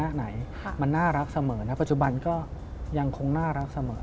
ไหนมันน่ารักเสมอนะปัจจุบันก็ยังคงน่ารักเสมอ